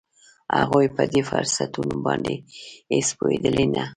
هغوی په دې فرصتونو باندې هېڅ پوهېدل نه